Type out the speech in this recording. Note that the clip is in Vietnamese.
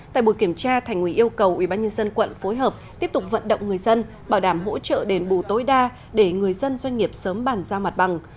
tại buổi kiểm tra thành ủy yêu cầu ubnd quận phối hợp tiếp tục vận động người dân bảo đảm hỗ trợ đền bù tối đa để người dân doanh nghiệp sớm bàn ra mặt bằng